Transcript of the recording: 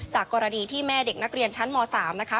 กรณีที่แม่เด็กนักเรียนชั้นม๓นะคะ